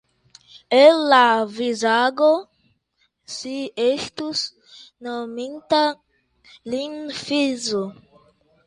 El la vizaĝo ŝi estus nominta lin fiŝo.